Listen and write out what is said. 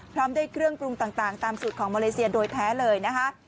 พร้อมด้วยเครื่องปรุงต่างตามสูตรของมาเลเซียโดยแท้เลยนะคะ